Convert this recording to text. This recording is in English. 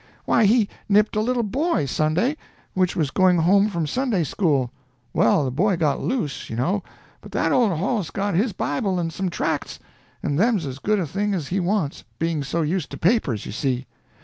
Why, he nipped a little boy, Sunday, which was going home from Sunday school; well, the boy got loose, you know, but that old hoss got his bible and some tracts, and them's as good a thing as he wants, being so used to papers, you see.